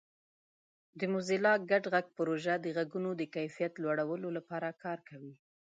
د موزیلا ګډ غږ پروژه د غږونو د کیفیت لوړولو لپاره کار کوي.